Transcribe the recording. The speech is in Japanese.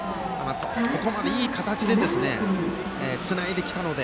ここまで、いい形でつないできたので。